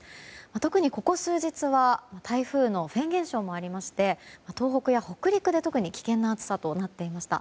特に、ここ数日は台風のフェーン現象もありまして東北や北陸で特に危険な暑さとなっていました。